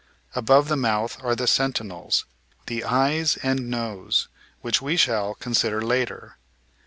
Above the mouth are the sentinels, the eyes and nose, which we shall consider later.